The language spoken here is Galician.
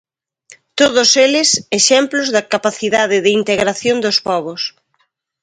Todos eles exemplos da capacidade de integración dos pobos.